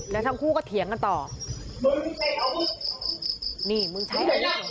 แล้วทั้งคู่ก็เถียงกันต่อนี่มึงใช้